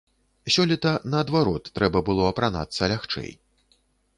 Сёлета, наадварот, трэба было апранацца лягчэй.